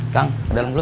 kang ke dalam dulu